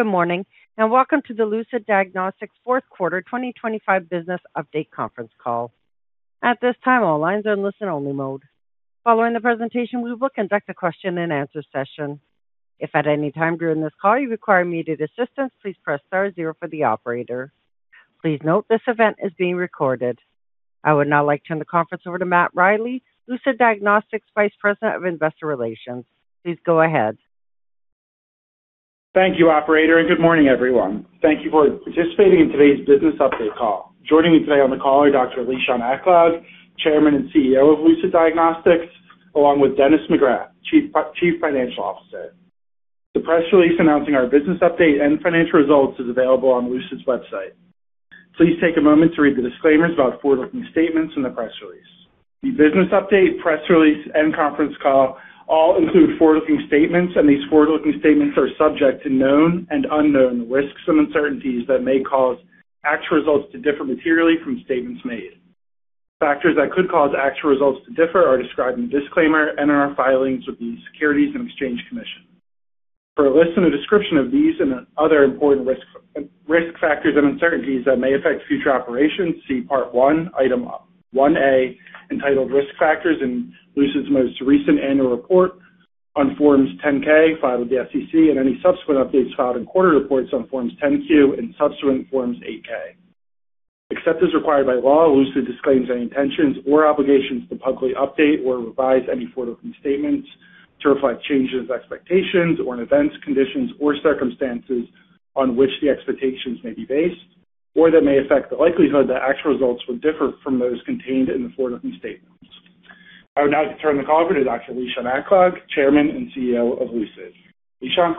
Good morning, and welcome to the Lucid Diagnostics Fourth Quarter 2025 Business Update Conference Call. At this time, all lines are in listen-only mode. Following the presentation, we will conduct a question and answer session. If at any time during this call you require immediate assistance, please press star zero for the operator. Please note this event is being recorded. I would now like to turn the conference over to Matt Riley, Lucid Diagnostics Vice President of Investor Relations. Please go ahead. Thank you, operator, and good morning, everyone. Thank you for participating in today's business update call. Joining me today on the call are Dr. Lishan Aklog, Chairman and CEO of Lucid Diagnostics, along with Dennis McGrath, Chief Financial Officer. The press release announcing our business update and financial results is available on Lucid's website. Please take a moment to read the disclaimers about forward-looking statements in the press release. The business update, press release, and conference call all include forward-looking statements, and these forward-looking statements are subject to known and unknown risks and uncertainties that may cause actual results to differ materially from statements made. Factors that could cause actual results to differ are described in the disclaimer and in our filings with the Securities and Exchange Commission. For a list and a description of these and other important risk factors and uncertainties that may affect future operations, see Part I, Item 1A, entitled Risk Factors in Lucid Diagnostics' most recent annual report on Form 10-K filed with the SEC and any subsequent updates filed in quarterly reports on Form 10-Q and subsequent Form 8-K. Except as required by law, Lucid Diagnostics disclaims any intentions or obligations to publicly update or revise any forward-looking statements to reflect changes, expectations, or events, conditions, or circumstances on which the expectations may be based, or that may affect the likelihood that actual results will differ from those contained in the forward-looking statements. I would now like to turn the call over to Dr. Lishan Aklog, Chairman and CEO of Lucid Diagnostics. Lishan?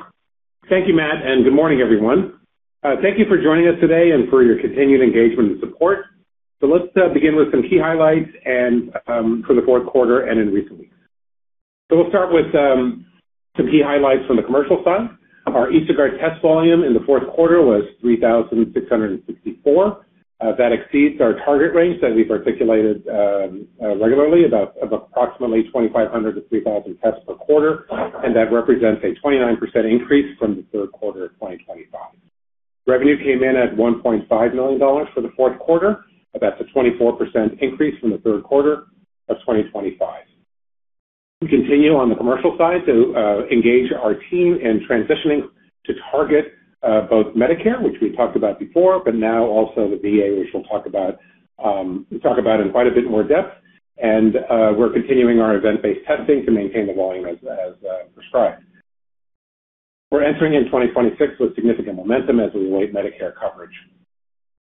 Thank you, Matt, and good morning, everyone. Thank you for joining us today and for your continued engagement and support. Let's begin with some key highlights for the fourth quarter and in recent weeks. We'll start with some key highlights from the commercial side. Our EsoGuard test volume in the fourth quarter was 3,664. That exceeds our target range that we've articulated regularly about of approximately 2,500-3,000 tests per quarter. That represents a 29% increase from the third quarter of 2025. Revenue came in at $1.5 million for the fourth quarter, about a 24% increase from the third quarter of 2025. We continue on the Commercial side to engage our team in transitioning to target both Medicare, which we talked about before, but now also the VA, which we'll talk about in quite a bit more depth. We're continuing our event-based testing to maintain the volume as prescribed. We're entering in 2026 with significant momentum as we await Medicare coverage.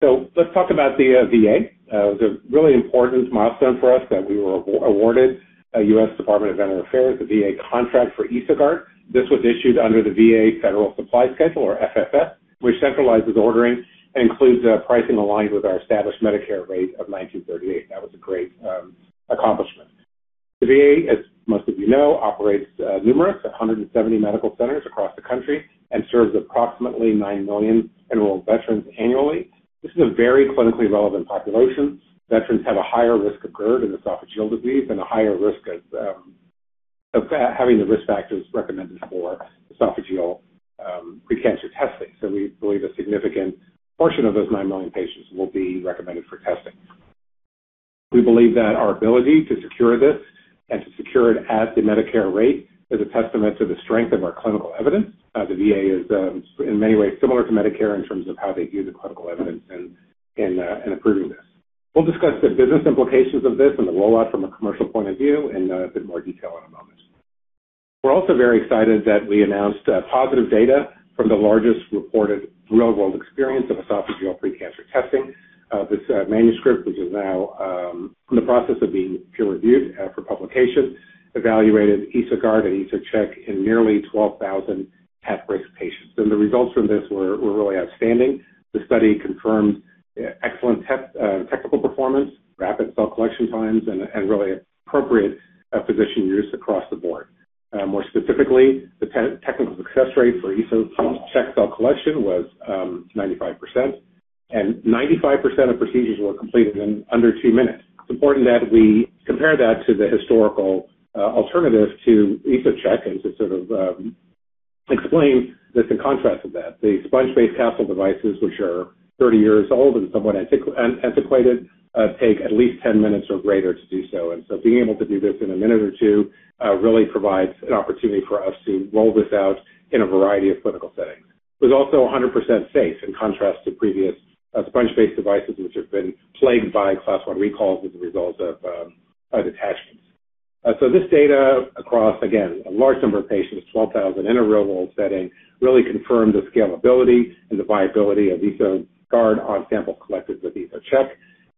Let's talk about the VA. It was a really important milestone for us that we were awarded a U.S. Department of Veterans Affairs, a VA contract for EsoGuard. This was issued under the VA Federal Supply Schedule, or FSS, which centralizes ordering and includes pricing aligned with our established Medicare rate of $1,938. That was a great accomplishment. The VA, as most of you know, operates numerous 170 medical centers across the country and serves approximately 9 million enrolled veterans annually. This is a very clinically relevant population. Veterans have a higher risk of GERD and esophageal disease and a higher risk of having the risk factors recommended for esophageal precancer testing. We believe a significant portion of those 9 million patients will be recommended for testing. We believe that our ability to secure this and to secure it at the Medicare rate is a testament to the strength of our clinical evidence. The VA is in many ways similar to Medicare in terms of how they view the clinical evidence in approving this. We'll discuss the business implications of this and the rollout from a commercial point of view in a bit more detail in a moment. We're also very excited that we announced positive data from the largest reported real-world experience of esophageal precancer testing. This manuscript, which is now in the process of being peer-reviewed for publication, evaluated EsoGuard and EsoCheck in nearly 12,000 at-risk patients. The results from this were really outstanding. The study confirmed excellent technical performance, rapid cell collection times, and really appropriate physician use across the board. More specifically, the technical success rate for EsoCheck cell collection was 95%, and 95% of procedures were completed in under two minutes. It's important that we compare that to the historical alternative to EsoCheck and to sort of explain the contrast of that. The sponge-based capsule devices, which are 30 years old and somewhat antiquated, take at least 10 minutes or greater to do so. Being able to do this in a minute or two really provides an opportunity for us to roll this out in a variety of clinical settings. It was also 100% safe, in contrast to previous sponge-based devices which have been plagued by Class I recalls as a result of attachments. This data across, again, a large number of patients, 12,000 in a real-world setting, really confirmed the scalability and the viability of EsoGuard on samples collected with EsoCheck.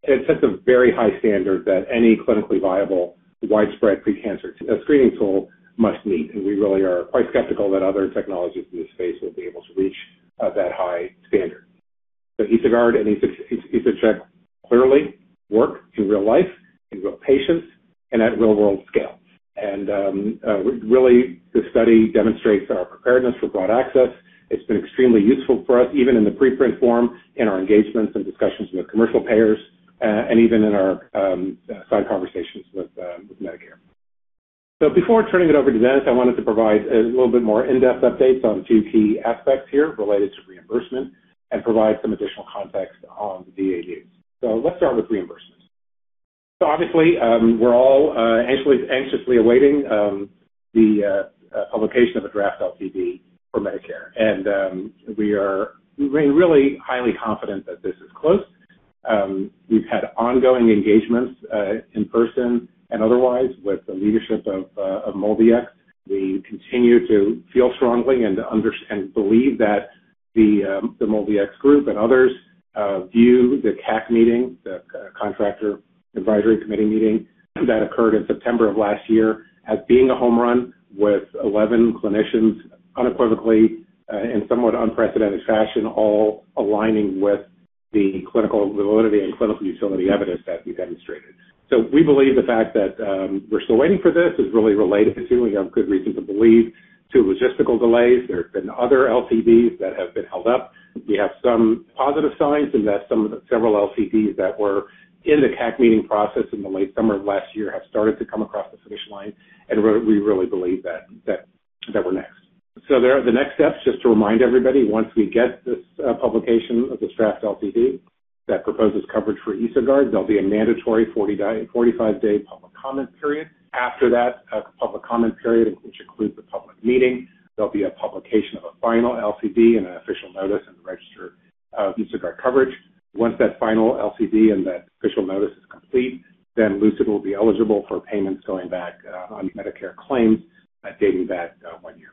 It sets a very high standard that any clinically viable widespread precancer screening tool must meet, and we really are quite skeptical that other technologies in this space will be able to reach that high standard. EsoGuard and EsoCheck clearly work in real life, in real patients and at real-world scale. Really the study demonstrates our preparedness for broad access. It's been extremely useful for us, even in the preprint form, in our engagements and discussions with commercial payers, and even in our ongoing conversations with Medicare. Before turning it over to Dennis, I wanted to provide a little bit more in-depth updates on two key aspects here related to reimbursement and provide some additional context on the VA deal. Let's start with reimbursements. Obviously, we're all anxiously awaiting the publication of a draft LCD for Medicare. We are really highly confident that this is close. We've had ongoing engagements in person and otherwise with the leadership of MolDX. We continue to feel strongly and believe that the MolDX group and others view the CAC meeting, the Contractor Advisory Committee meeting, that occurred in September of last year as being a home run with 11 clinicians unequivocally in somewhat unprecedented fashion all aligning with the clinical validity and clinical utility evidence that we demonstrated. We believe the fact that we're still waiting for this is really related to, we have good reason to believe, to logistical delays. There have been other LCDs that have been held up. We have some positive signs that some of the several LCDs that were in the CAC meeting process in the late summer of last year have started to come across the finish line, and we really believe that we're next. The next steps, just to remind everybody, once we get this publication of this draft LCD that proposes coverage for EsoGuard, there'll be a mandatory 45-day public comment period. After that public comment period, which includes a public meeting, there'll be a publication of a final LCD and an official notice in the Federal Register of EsoGuard coverage. Once that final LCD and that official notice is complete, Lucid will be eligible for payments going back on Medicare claims dating back one year.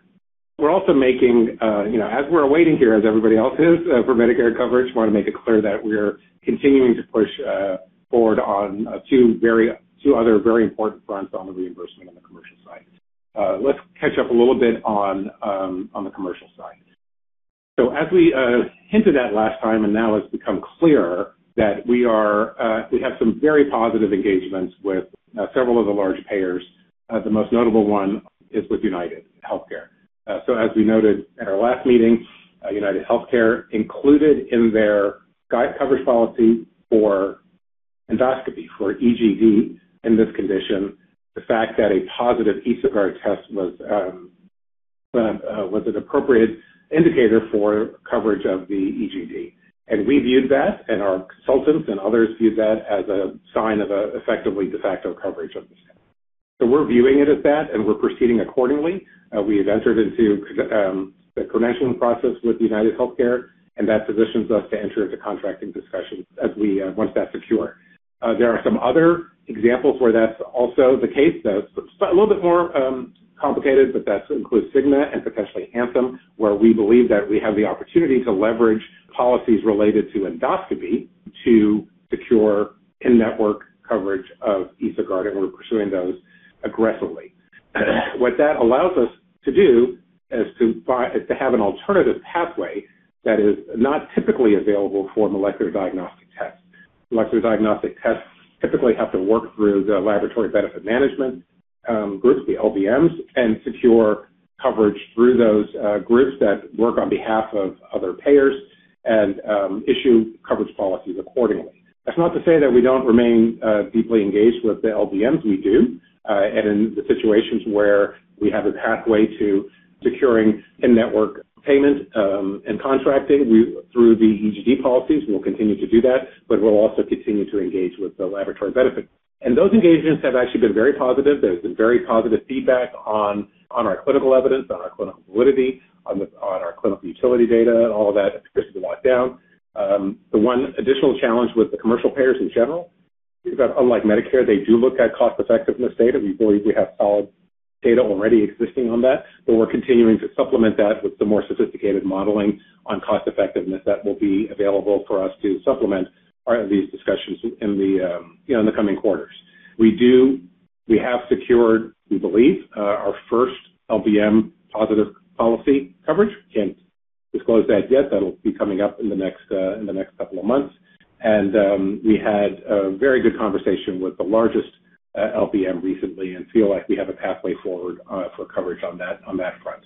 We're also making, you know, as we're waiting here, as everybody else is for Medicare coverage, wanna make it clear that we're continuing to push forward on two other very important fronts on the reimbursement on the Commercial side. Let's catch up a little bit on the Commercial side. As we hinted at last time, and now it's become clearer, that we have some very positive engagements with several of the large payers. The most notable one is with UnitedHealthcare. As we noted at our last meeting, UnitedHealthcare included in their guide coverage policy for endoscopy for EGD in this condition, the fact that a positive EsoGuard test was an appropriate indicator for coverage of the EGD. We viewed that, and our consultants and others viewed that as a sign of a effectively de facto coverage of this. We're viewing it as that, and we're proceeding accordingly. We have entered into the credentialing process with UnitedHealthcare, and that positions us to enter into contracting discussions as we once that's secure. There are some other examples where that's also the case that's a little bit more complicated, but that includes Cigna and potentially Anthem, where we believe that we have the opportunity to leverage policies related to endoscopy to secure in-network coverage of EsoGuard, and we're pursuing those aggressively. What that allows us to do is to have an alternative pathway that is not typically available for molecular diagnostic tests. Molecular diagnostic tests typically have to work through the laboratory benefit management groups, the LBMs, and secure coverage through those groups that work on behalf of other payers and issue coverage policies accordingly. That's not to say that we don't remain deeply engaged with the LBMs we do, and in the situations where we have a pathway to securing in-network payment and contracting we, through the EGD policies, we'll continue to do that, but we'll also continue to engage with the laboratory benefit. Those engagements have actually been very positive. There's been very positive feedback on our clinical evidence, on our clinical validity, on our clinical utility data and all of that as walked down. The one additional challenge with the commercial payers in general is that unlike Medicare, they do look at cost effectiveness data. We believe we have solid data already existing on that, but we're continuing to supplement that with some more sophisticated modeling on cost effectiveness that will be available for us to supplement part of these discussions in the, you know, in the coming quarters. We have secured, we believe, our first LBM positive policy coverage. Can't disclose that yet. That'll be coming up in the next couple of months. We had a very good conversation with the largest LBM recently and feel like we have a pathway forward for coverage on that front.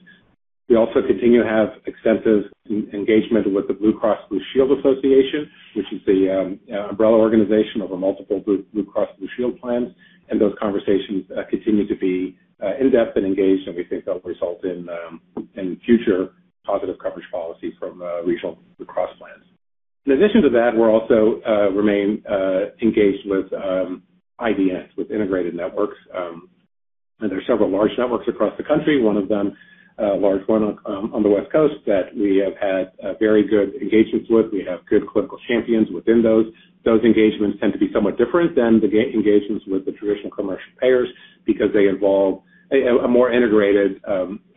We also continue to have extensive engagement with the Blue Cross Blue Shield Association, which is the umbrella organization over multiple Blue Cross Blue Shield plans, and those conversations continue to be in-depth and engaged, and we think that'll result in future positive coverage policy from regional Blue Cross plans. In addition to that, we remain engaged with IDNs, with integrated networks, and there are several large networks across the country, one of them large one on the West Coast that we have had a very good engagements with. We have good clinical champions within those. Those engagements tend to be somewhat different than the engagements with the traditional commercial payers because they involve a more integrated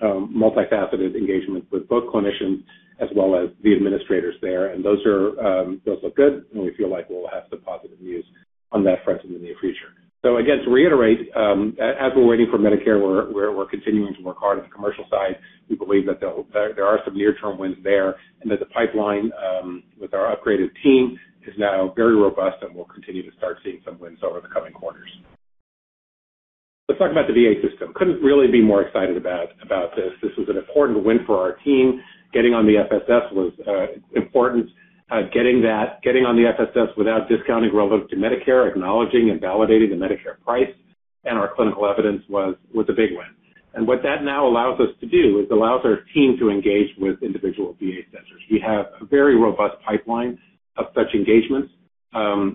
multifaceted engagement with both clinicians as well as the administrators there. Those are those look good, and we feel like we'll have some positive news on that front in the near future. Again, to reiterate, as we're waiting for Medicare, we're continuing to work hard on the Commercial side. We believe that there are some near-term wins there and that the pipeline with our upgraded team is now very robust, and we'll continue to start seeing some wins over the coming quarters. Let's talk about the VA system. Couldn't really be more excited about this. This was an important win for our team. Getting on the FSS was important. Getting on the FSS without discounting relevant to Medicare, acknowledging and validating the Medicare price and our clinical evidence was a big win. What that now allows us to do is it allows our team to engage with individual VA centers. We have a very robust pipeline of such engagements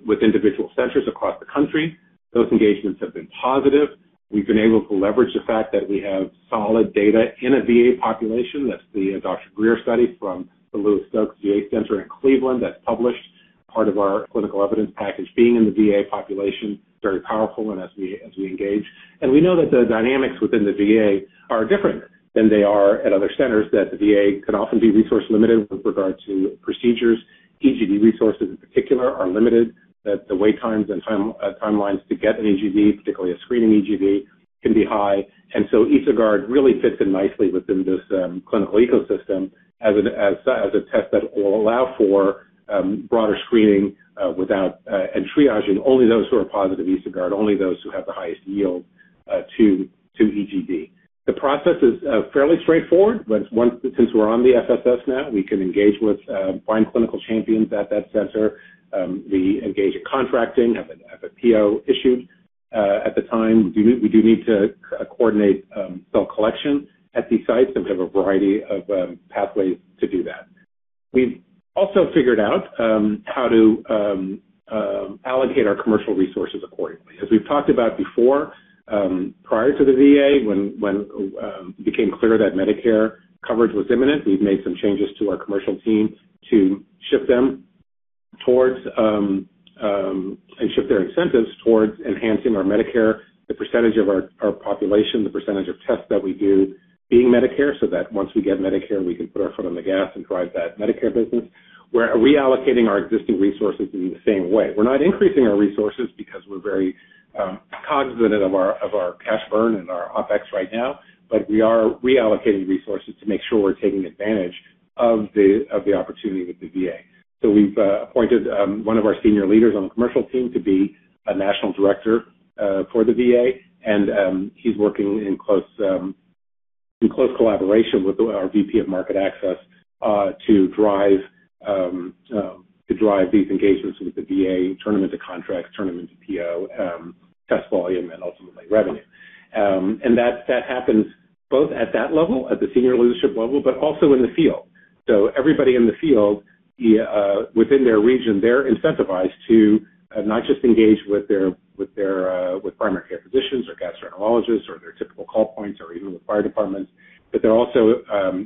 with individual centers across the country. Those engagements have been positive. We've been able to leverage the fact that we have solid data in a VA population. That's the Dr. Greer study from the Louis Stokes Cleveland VA Medical Center in Cleveland that's published part of our clinical evidence package. Being in the VA population, very powerful and as we engage. We know that the dynamics within the VA are different than they are at other centers, that the VA can often be resource-limited with regard to procedures. EGD resources, in particular, are limited, that the wait times and timelines to get an EGD, particularly a screening EGD, can be high. EsoGuard really fits in nicely within this clinical ecosystem as a test that will allow for broader screening, triaging only those who are positive EsoGuard, only those who have the highest yield to EGD. The process is fairly straightforward. Since we're on the FSS now, we can engage to find clinical champions at that center. We engage in contracting, have a PO issued at the time. We do need to coordinate cell collection at these sites, and we have a variety of pathways to do that. We've also figured out how to allocate our commercial resources accordingly. As we've talked about before, prior to the VA, when it became clear that Medicare coverage was imminent, we've made some changes to our commercial team to shift them towards and shift their incentives towards enhancing our Medicare, the percentage of our population, the percentage of tests that we do being Medicare, so that once we get Medicare, we can put our foot on the gas and drive that Medicare business. We're reallocating our existing resources in the same way. We're not increasing our resources because we're very cognizant of our cash burn and our OpEx right now, but we are reallocating resources to make sure we're taking advantage of the opportunity with the VA. We've appointed one of our senior leaders on the commercial team to be a National Director for the VA, and he's working in close collaboration with our VP of Market Access to drive these engagements with the VA, turn them into contracts, turn them into PO, test volume, and ultimately revenue. That happens both at that level, at the senior leadership level, but also in the field. Everybody in the field within their region, they're incentivized to not just engage with their primary care physicians or gastroenterologists or their typical call points or even with fire departments, but they're also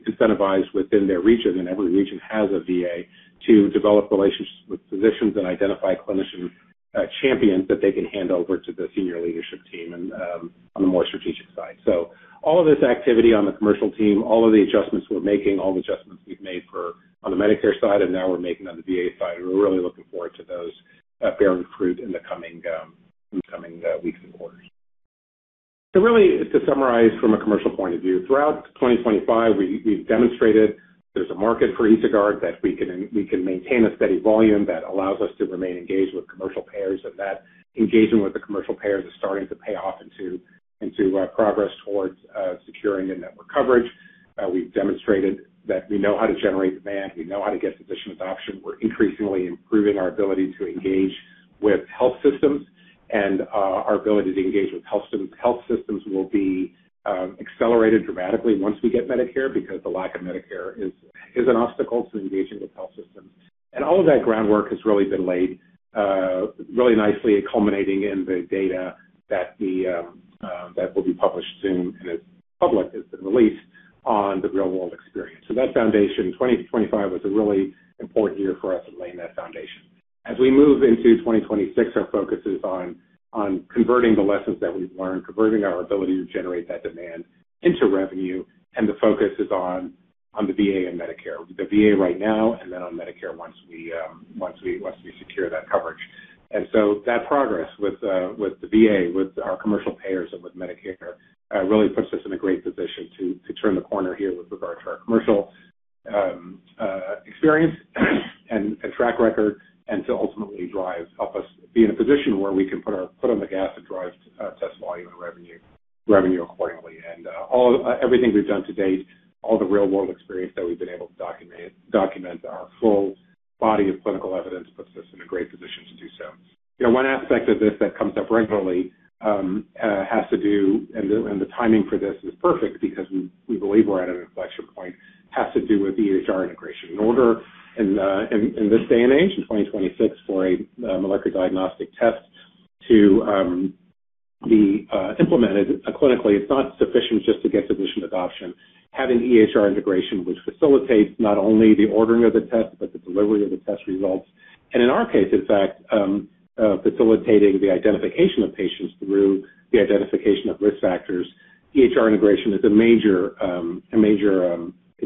incentivized within their region, and every region has a VA, to develop relationships with physicians and identify clinician champions that they can hand over to the senior leadership team and on the more strategic side. All of this activity on the commercial team, all of the adjustments we're making, all the adjustments we've made for the Medicare side and now we're making on the VA side, we're really looking forward to those bearing fruit in the coming weeks and quarters. Really to summarize from a commercial point of view, throughout 2025, we've demonstrated there's a market for EsoGuard, that we can maintain a steady volume that allows us to remain engaged with commercial payers, and that engagement with the commercial payers is starting to pay off into progress towards securing in-network coverage. We've demonstrated that we know how to generate demand, we know how to get physician adoption. We're increasingly improving our ability to engage with health systems and our ability to engage with health systems will be accelerated dramatically once we get Medicare, because the lack of Medicare is an obstacle to engaging with health systems. All of that groundwork has really been laid really nicely culminating in the data that will be published soon, and it's public, it's been released on the real-world experience. That foundation, 2025 was a really important year for us in laying that foundation. As we move into 2026, our focus is on converting the lessons that we've learned, converting our ability to generate that demand into revenue, and the focus is on the VA and Medicare, the VA right now, and then on Medicare once we secure that coverage. That progress with the VA, with our commercial payers and with Medicare really puts us in a great position to turn the corner here with regard to our commercial experience and track record, and to ultimately help us be in a position where we can put on the gas and drive test volume and revenue accordingly. Everything we've done to date, all the real-world experience that we've been able to document, our full body of clinical evidence puts us in a great position to do so. You know, one aspect of this that comes up regularly has to do... And the timing for this is perfect because we believe we're at an inflection point has to do with the EHR integration. In this day and age, in 2026, for a molecular diagnostic test to be implemented clinically, it's not sufficient just to get physician adoption. Having EHR integration, which facilitates not only the ordering of the test, but the delivery of the test results, and in our case, in fact, facilitating the identification of patients through the identification of risk factors, EHR integration can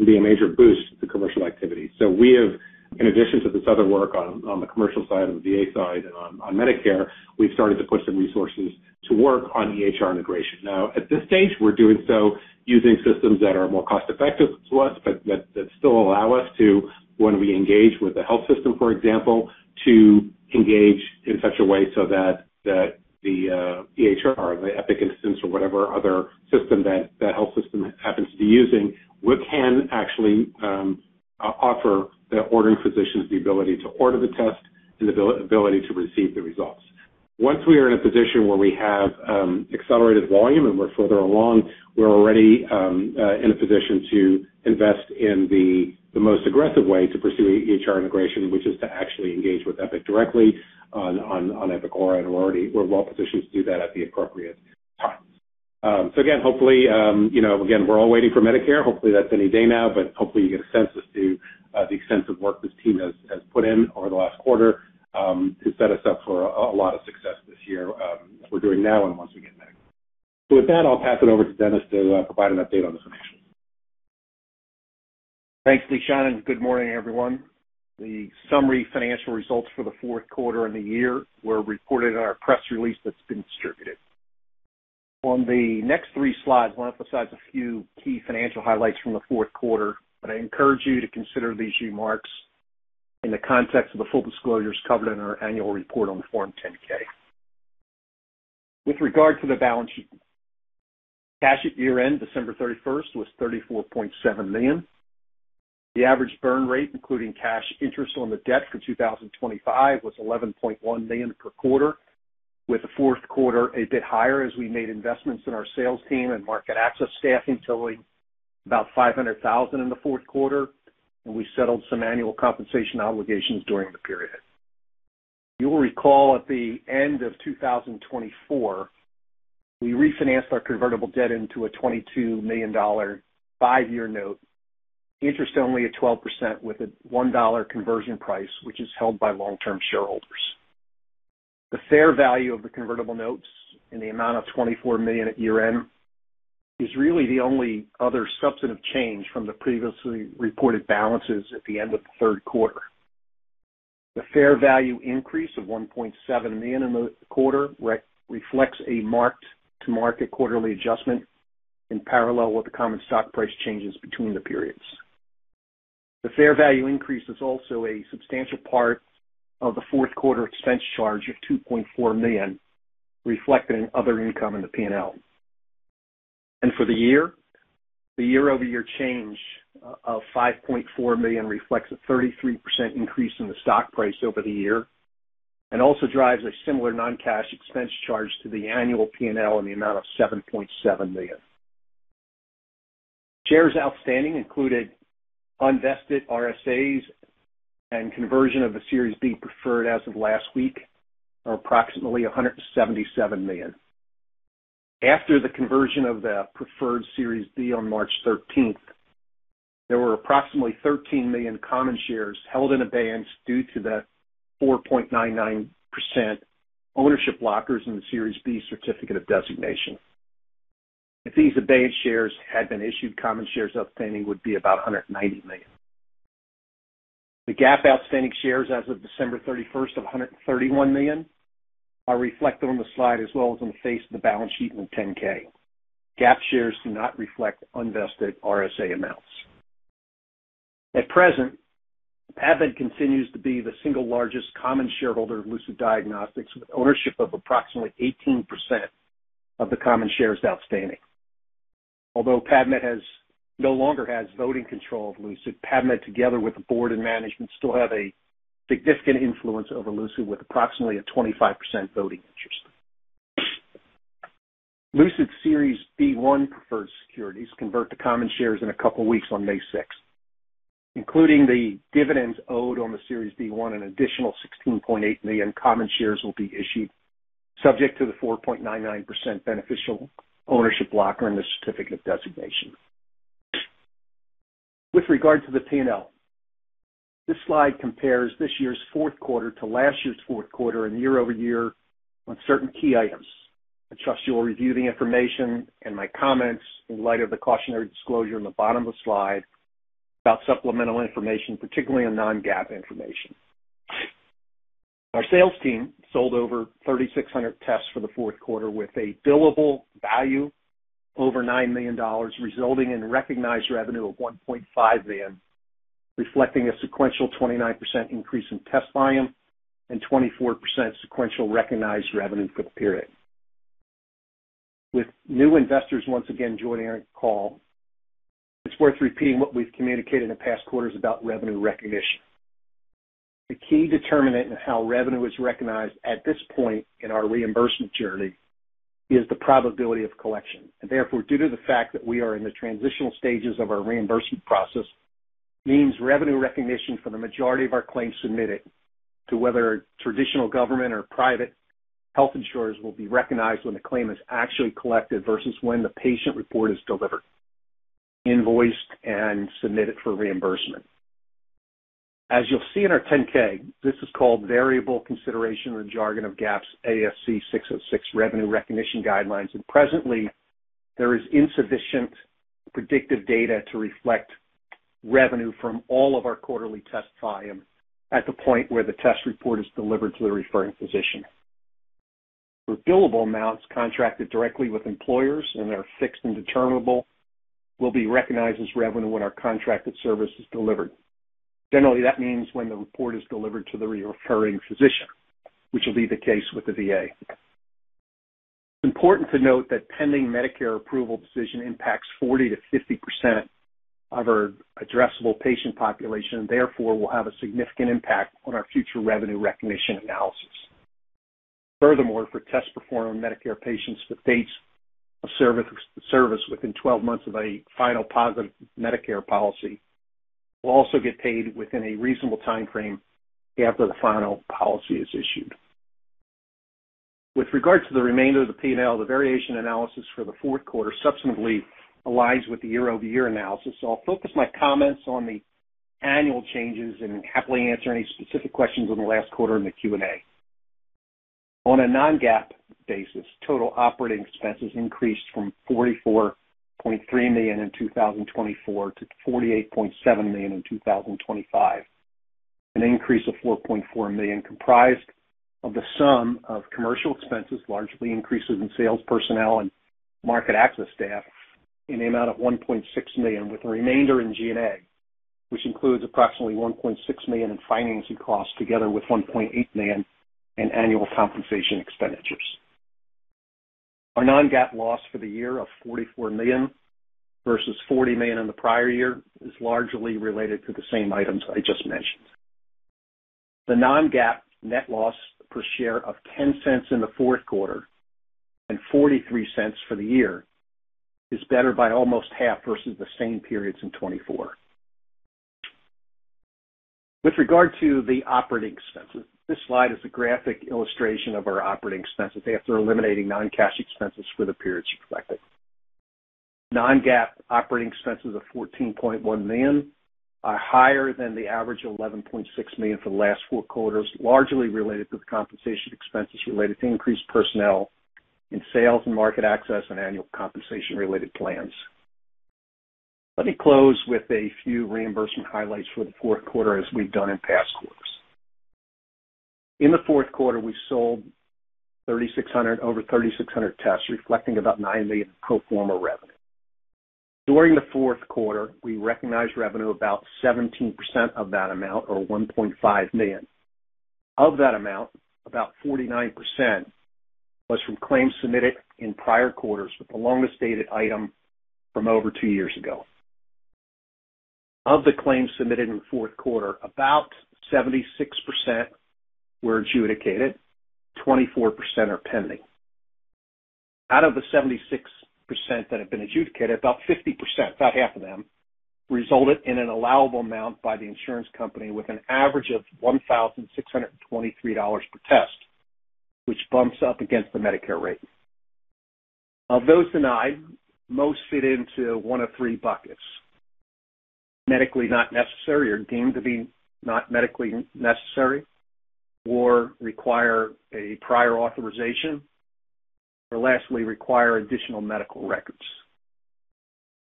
be a major boost to commercial activity. We have, in addition to this other work on the Commercial side, on the VA side, and on Medicare, started to put some resources to work on EHR integration. Now, at this stage, we're doing so using systems that are more cost-effective to us, but that still allow us to, when we engage with the health system, for example, to engage in such a way so that the EHR, the Epic instance or whatever other system that health system happens to be using, we can actually offer the ordering physicians the ability to order the test and the ability to receive the results. Once we are in a position where we have accelerated volume and we're further along, we're already in a position to invest in the most aggressive way to pursue EHR integration, which is to actually engage with Epic directly on Epic, and we're well-positioned to do that at the appropriate time. Again, hopefully, you know, again, we're all waiting for Medicare. Hopefully, that's any day now, but hopefully, you get a sense as to the extensive work this team has put in over the last quarter to set us up for a lot of success this year, we're doing now and once we get Medicare. With that, I'll pass it over to Dennis to provide an update on the financials. Thanks, Lishan, and good morning, everyone. The summary financial results for the fourth quarter and the year were reported in our press release that's been distributed. On the next three slides, I wanna emphasize a few key financial highlights from the fourth quarter, but I encourage you to consider these remarks in the context of the full disclosures covered in our annual report on Form 10-K. With regard to the balance sheet, cash at year-end, December 31st, was $34.7 million. The average burn rate, including cash interest on the debt for 2025, was $11.1 million per quarter, with the fourth quarter a bit higher as we made investments in our sales team and market access staffing totaling about $500,000 in the fourth quarter, and we settled some annual compensation obligations during the period. You'll recall at the end of 2024, we refinanced our convertible debt into a $22 million five-year note, interest only at 12% with a $1 conversion price, which is held by long-term shareholders. The fair value of the convertible notes in the amount of $24 million at year-end is really the only other substantive change from the previously reported balances at the end of the third quarter. The fair value increase of $1.7 million in the quarter reflects a marked-to-market quarterly adjustment in parallel with the common stock price changes between the periods. The fair value increase is also a substantial part of the fourth quarter expense charge of $2.4 million, reflected in other income in the P&L. For the year, the year-over-year change of $5.4 million reflects a 33% increase in the stock price over the year and also drives a similar non-cash expense charge to the annual P&L in the amount of $7.7 million. Shares outstanding included unvested RSAs and conversion of the Series B Preferred as of last week are approximately 177 million. After the conversion of the Preferred Series B on March 13th, there were approximately 13 million common shares held in abeyance due to the 4.99% ownership blockers in the Series B Certificate of Designation. If these abeyance shares had been issued, common shares outstanding would be about 190 million. The GAAP outstanding shares as of December 31st of 131 million are reflected on the slide as well as on the face of the balance sheet in the 10-K. GAAP shares do not reflect unvested RSA amounts. At present, PAVmed continues to be the single largest common shareholder of Lucid Diagnostics, with ownership of approximately 18% of the common shares outstanding. Although PAVmed no longer has voting control of Lucid, PAVmed, together with the Board and Management, still have a significant influence over Lucid with approximately a 25% voting interest. Lucid Series B-1 Preferred Securities convert to common shares in a couple of weeks on May 6. Including the dividends owed on the Series B-1, an additional 16.8 million common shares will be issued, subject to the 4.99% beneficial ownership blocker in the certificate of designation. With regard to the P&L, this slide compares this year's fourth quarter to last year's fourth quarter and year-over-year on certain key items. I trust you will review the information and my comments in light of the cautionary disclosure in the bottom of the slide about supplemental information, particularly on non-GAAP information. Our sales team sold over 3,600 tests for the fourth quarter with a billable value over $9 million, resulting in recognized revenue of $1.5 million, reflecting a sequential 29% increase in test volume and 24% sequential recognized revenue for the period. With new investors once again joining our call, it's worth repeating what we've communicated in the past quarters about revenue recognition. The key determinant in how revenue is recognized at this point in our reimbursement journey is the probability of collection. Therefore, due to the fact that we are in the transitional stages of our reimbursement process, means revenue recognition for the majority of our claims submitted to whether traditional government or private health insurers will be recognized when the claim is actually collected versus when the patient report is delivered, invoiced, and submitted for reimbursement. As you'll see in our 10-K, this is called variable consideration in the jargon of GAAP's ASC 606 revenue recognition guidelines, and presently there is insufficient predictive data to reflect revenue from all of our quarterly test volume at the point where the test report is delivered to the referring physician. For billable amounts contracted directly with employers and are fixed and determinable will be recognized as revenue when our contracted service is delivered. Generally, that means when the report is delivered to the referring physician, which will be the case with the VA. It's important to note that pending Medicare approval decision impacts 40%-50% of our addressable patient population and therefore will have a significant impact on our future revenue recognition analysis. Furthermore, for tests performed on Medicare patients with dates of service within 12 months of a final positive Medicare policy will also get paid within a reasonable time frame after the final policy is issued. With regard to the remainder of the P&L, the variation analysis for the fourth quarter subsequently aligns with the year-over-year analysis. I'll focus my comments on the annual changes and happily answer any specific questions on the last quarter in the Q&A. On a non-GAAP basis, total operating expenses increased from $44.3 million in 2024 to $48.7 million in 2025, an increase of $4.4 million comprised of the sum of commercial expenses, largely increases in sales personnel and market access staff in the amount of $1.6 million, with the remainder in G&A, which includes approximately $1.6 million in financing costs together with $1.8 million in annual compensation expenditures. Our non-GAAP loss for the year of $44 million versus $40 million in the prior year is largely related to the same items I just mentioned. The non-GAAP net loss per share of $0.10 in the fourth quarter and $0.43 for the year is better by almost half versus the same periods in 2024. With regard to the operating expenses, this slide is a graphic illustration of our operating expenses after eliminating non-cash expenses for the periods reflected. Non-GAAP operating expenses of $14.1 million are higher than the average $11.6 million for the last four quarters, largely related to the compensation expenses related to increased personnel in sales and market access and annual compensation related plans. Let me close with a few reimbursement highlights for the fourth quarter as we've done in past quarters. In the fourth quarter, we sold over 3,600 tests, reflecting about $9 million pro forma revenue. During the fourth quarter, we recognized revenue about 17% of that amount, or $1.5 million. Of that amount, about 49% was from claims submitted in prior quarters, with the longest dated item from over two years ago. Of the claims submitted in the fourth quarter, about 76% were adjudicated, 24% are pending. Out of the 76% that have been adjudicated, about 50%, about half of them, resulted in an allowable amount by the insurance company with an average of $1,623 per test, which bumps up against the Medicare rate. Of those denied, most fit into one of three buckets, medically not necessary or deemed to be not medically necessary, or require a prior authorization, or lastly, require additional medical records.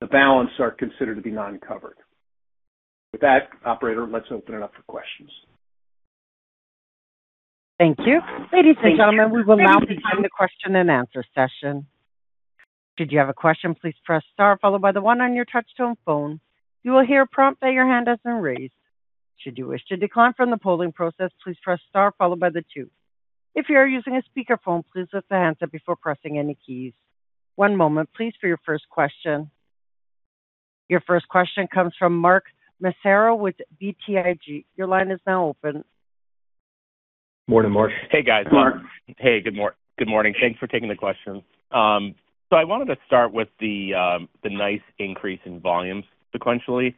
The balance are considered to be non-covered. With that, operator, let's open it up for questions. Thank you. Ladies and gentlemen, we will now begin the question and answer session. One moment, please, for your first question. Your first question comes from Mark Massaro with BTIG. Your line is now open. Morning, Mark. Hey, guys. Morning, Mark. Hey, good morning. Thanks for taking the question. So I wanted to start with the nice increase in volume sequentially.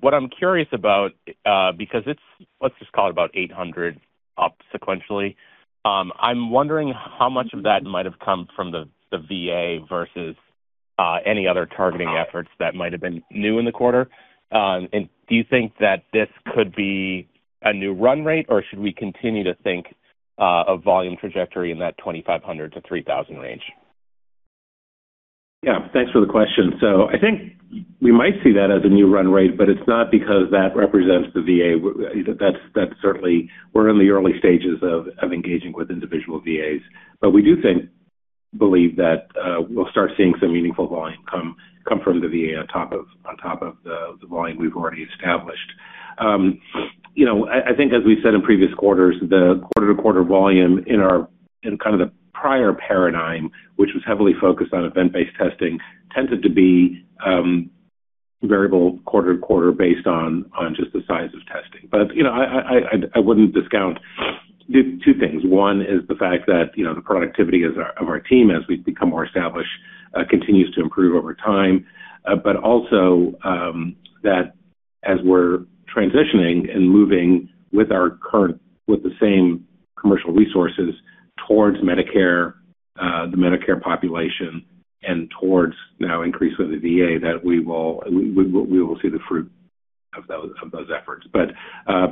What I'm curious about, because it's, let's just call it about 800 up sequentially, I'm wondering how much of that might have come from the VA versus any other targeting efforts that might have been new in the quarter. Do you think that this could be a new run rate, or should we continue to think a volume trajectory in that 2,500-3,000 range? Thanks for the question. I think we might see that as a new run rate, but it's not because that represents the VA. That's certainly. We're in the early stages of engaging with individual VAs. We do think, believe that we'll start seeing some meaningful volume come from the VA on top of the volume we've already established. You know, I wouldn't discount two things. One is the fact that, you know, the productivity of our team as we become more established continues to improve over time. But also, that as we're transitioning and moving with the same commercial resources towards Medicare, the Medicare population and towards now increasingly VA, that we will see the fruit of those efforts.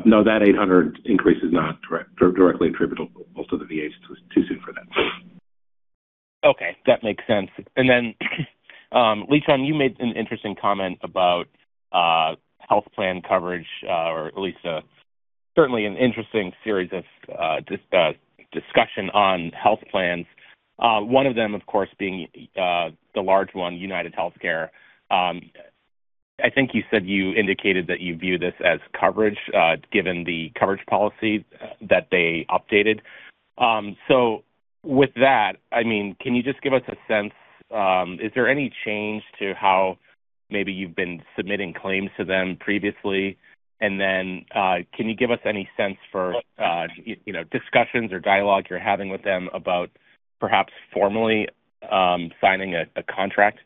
No, that 800 increase is not directly attributable to the VA. It's too soon for that. Okay. That makes sense. Lishan, you made an interesting comment about health plan coverage, or at least certainly an interesting series of discussion on health plans. One of them, of course, being the large one, UnitedHealthcare. I think you said you indicated that you view this as coverage given the coverage policy that they updated. With that, I mean, can you just give us a sense. Is there any change to how maybe you've been submitting claims to them previously? Can you give us any sense for you know, discussions or dialogue you're having with them about perhaps formally signing a contract?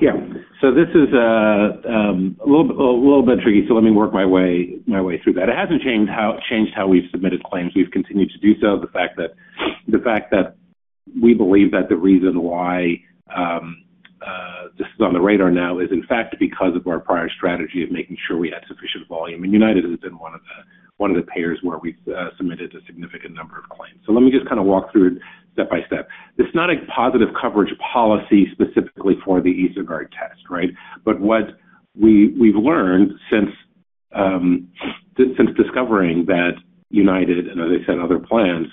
This is a little bit tricky, so let me work my way through that. It hasn't changed how we've submitted claims. We've continued to do so. The fact that we believe that the reason why this is on the radar now is in fact because of our prior strategy of making sure we had sufficient volume. United has been one of the payers where we've submitted a significant number of claims. Let me just kind of walk through it step by step. It's not a positive coverage policy specifically for the EsoGuard test, right? What we've learned since discovering that United, and as I said, other plans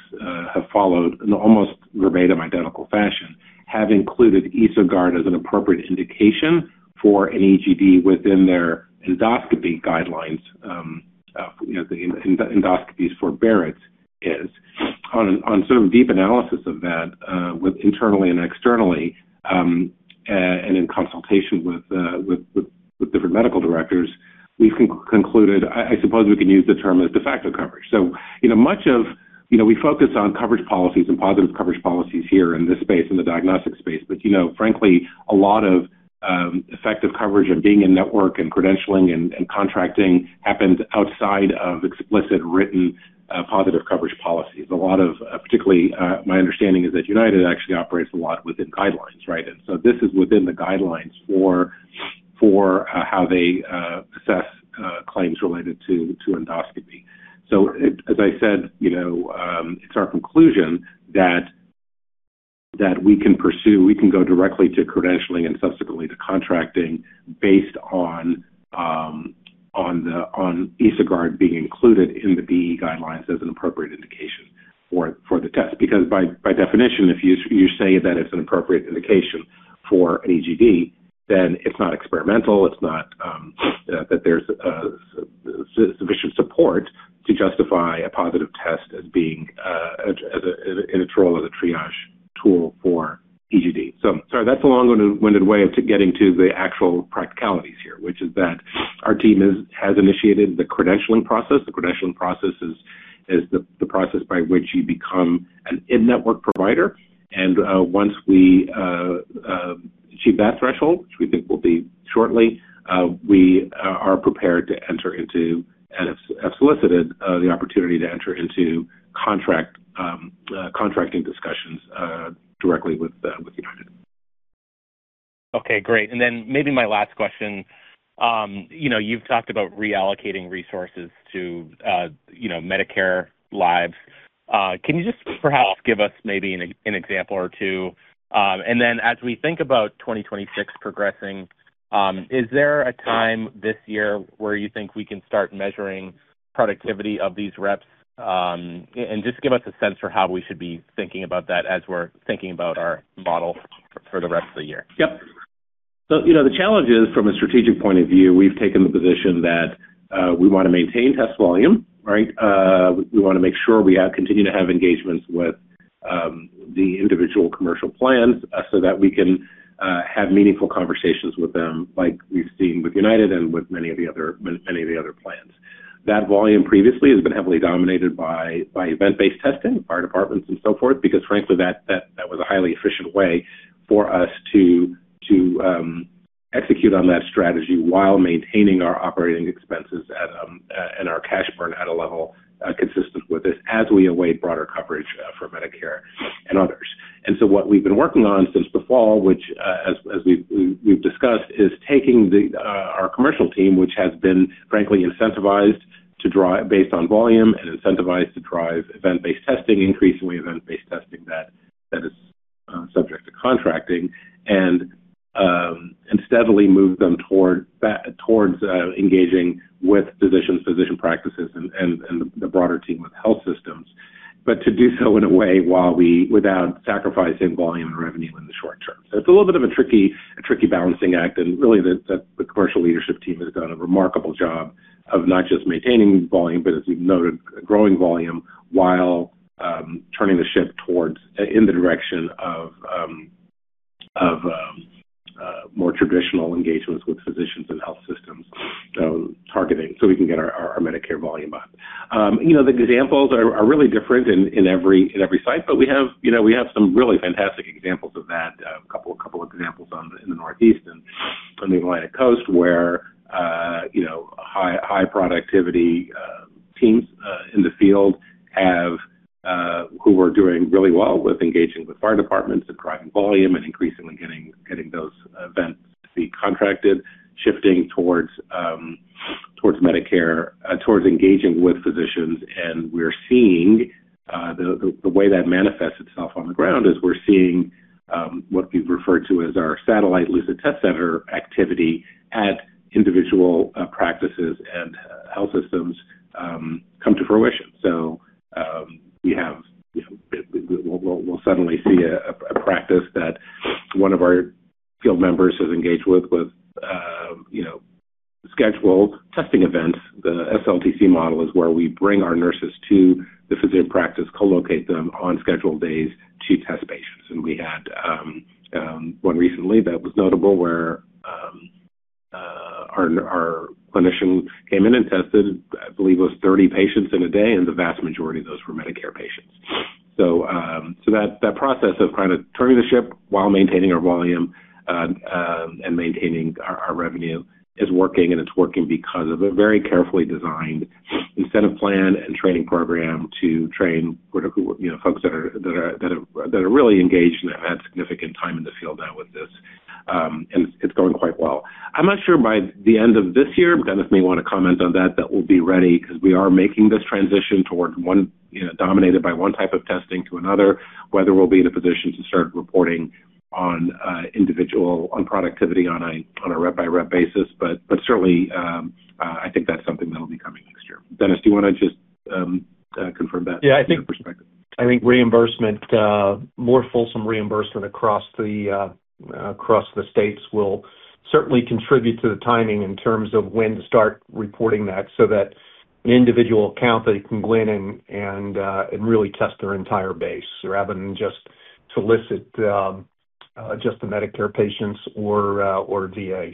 have followed in an almost verbatim identical fashion, have included EsoGuard as an appropriate indication for an EGD within their endoscopy guidelines, you know, the endoscopies for Barrett's is. On sort of deep analysis of that, with internally and externally, and in consultation with different medical directors, we've concluded. I suppose we can use the term de facto coverage. You know, much of. You know, we focus on coverage policies and positive coverage policies here in this space, in the diagnostic space. Frankly, a lot of effective coverage of being in-network and credentialing and contracting happens outside of explicit written positive coverage policies. A lot of particularly my understanding is that United actually operates a lot within guidelines, right? This is within the guidelines for how they assess claims related to endoscopy. As I said, you know, it's our conclusion that we can pursue. We can go directly to credentialing and subsequently to contracting based on the EsoGuard being included in the BE guidelines as an appropriate indication for the test. Because by definition, if you say that it's an appropriate indication for an EGD, then it's not experimental. There's sufficient support to justify a positive test as being in its role as a triage tool for EGD. That's a long-winded way of getting to the actual practicalities here, which is that our team has initiated the credentialing process. The credentialing process is the process by which you become an in-network provider. Once we achieve that threshold, which we think will be shortly, we are prepared to enter into, and have solicited the opportunity to enter into contracting discussions directly with United. Okay, great. Maybe my last question. You know, you've talked about reallocating resources to, you know, Medicare life. Can you just perhaps give us maybe an example or two? As we think about 2026 progressing, is there a time this year where you think we can start measuring productivity of these reps? Just give us a sense for how we should be thinking about that as we're thinking about our model for the rest of the year. The challenge is from a strategic point of view, we've taken the position that we wanna maintain test volume, right? We wanna make sure we continue to have engagements with the individual commercial plans so that we can have meaningful conversations with them like we've seen with United and with many of the other plans. That volume previously has been heavily dominated by event-based testing, fire departments and so forth, because frankly, that was a highly efficient way for us to execute on that strategy while maintaining our operating expenses at, and our cash burn at a level consistent with this as we await broader coverage for Medicare and others. What we've been working on since the fall, which as we've discussed, is taking our commercial team, which has been frankly incentivized to drive based on volume and incentivized to drive event-based testing, increasingly event-based testing that is subject to contracting and steadily move them towards engaging with physicians, physician practices and the broader team with health systems. To do so in a way without sacrificing volume and revenue in the short term. It's a little bit of a tricky balancing act, and really the commercial leadership team has done a remarkable job of not just maintaining volume, but as we've noted, growing volume while turning the ship towards in the direction of more traditional engagements with physicians and health systems, targeting so we can get our Medicare volume up. You know, the examples are really different in every site, but we have, you know, some really fantastic examples of that. A couple examples in the Northeast and on the Atlantic Coast where, you know, high productivity teams in the field who are doing really well with engaging with fire departments, acquiring volume, and increasingly getting those events to be contracted, shifting towards Medicare, towards engaging with physicians. We're seeing the way that manifests itself on the ground is we're seeing what we've referred to as our satellite Lucid Test Center activity at individual practices and health systems come to fruition. We have, you know, we'll suddenly see a practice that one of our field members has engaged with you know scheduled testing events. The sLTC model is where we bring our nurses to the physician practice, co-locate them on scheduled days to test patients. We had one recently that was notable where our clinician came in and tested, I believe it was 30 patients in a day, and the vast majority of those were Medicare patients. That process of kind of turning the ship while maintaining our volume and maintaining our revenue is working, and it's working because of a very carefully designed incentive plan and training program to train critical, you know, folks that are really engaged and have had significant time in the field now with this. It's going quite well. I'm not sure by the end of this year, Dennis may want to comment on that that we'll be ready because we are making this transition toward one, you know, dominated by one type of testing to another, whether we'll be in a position to start reporting on on productivity on a rep-by-rep basis. Certainly, I think that's something that'll be coming next year. Dennis, do you want to just confirm that from your perspective? Yeah, I think reimbursement, more fulsome reimbursement across the states will certainly contribute to the timing in terms of when to start reporting that so that an individual account they can go in and really test their entire base rather than just solicit the Medicare patients or VA.